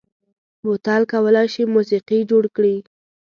بوتل کولای شي موسيقي جوړ کړي.